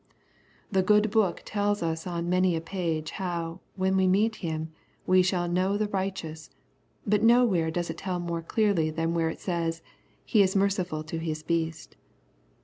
The Good Book tells us on many a page how, when we meet him, we shall know the righteous, but nowhere does it tell more clearly than where it says, he is merciful to his beast.